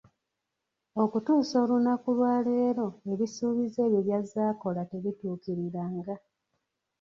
Okutuusa olunaku lwaleero ebisuubizo ebyo by'azze akola, tebituukiriranga.